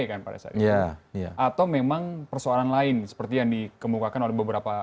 atau memang persoalan lain seperti yang dikemukakan oleh beberapa